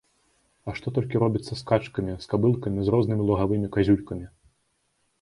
А што толькі робіцца з скачкамі, з кабылкамі, з рознымі лугавымі казюлькамі!